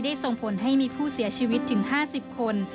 ส่งผลให้มีผู้เสียชีวิตถึง๕๐คน